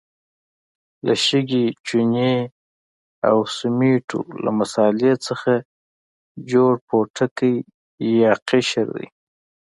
له شګې، چونې او سمنټو له مسالې څخه جوړ پوټکی یا قشر دی.